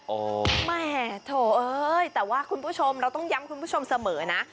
โอ้โหแหมโถเอ้ยแต่ว่าคุณผู้ชมเราต้องย้ำคุณผู้ชมเสมอนะ